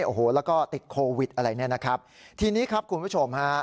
โอ้โหแล้วก็ติดโควิดอะไรเนี่ยนะครับทีนี้ครับคุณผู้ชมฮะ